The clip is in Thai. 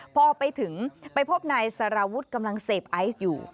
พอไปถึงไปพบนายสารวุฒิกำลังเสพไอซ์อยู่